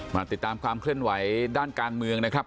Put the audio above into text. มาติดตามความเคลื่อนไหวด้านการเมืองนะครับ